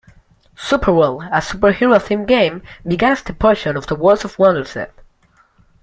"Superworld", a superhero-themed game, began as a portion of the "Worlds of Wonder" set.